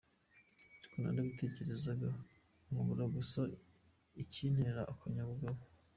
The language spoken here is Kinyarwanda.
Ariko narabitekerezaga, nkabura gusa ikintera akanyabugabo.